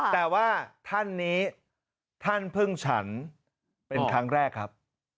แต่ว่าท่านนี้ท่านเพิ่งฉันเป็นครั้งแรกครับ